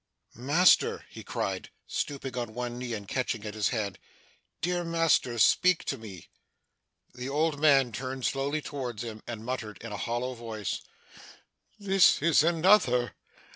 'Master!' he cried, stooping on one knee and catching at his hand. 'Dear master. Speak to me!' The old man turned slowly towards him; and muttered in a hollow voice, 'This is another!